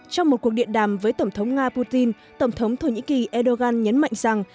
trong một cuộc điện đàm với tổng thống nga putin tổng thống thổ nhĩ kỳ erdogan nhấn mạnh rằng